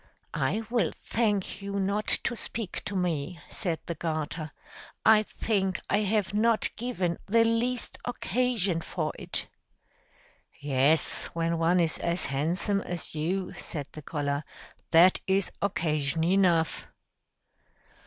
"I will thank you not to speak to me," said the garter. "I think I have not given the least occasion for it." "Yes! When one is as handsome as you," said the collar, "that is occasion enough."